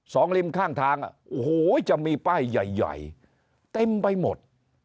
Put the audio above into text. ริมข้างทางโอ้โหจะมีป้ายใหญ่ใหญ่เต็มไปหมด